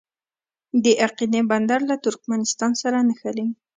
د اقینې بندر له ترکمنستان سره نښلي